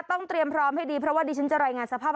เตรียมพร้อมให้ดีเพราะว่าดิฉันจะรายงานสภาพ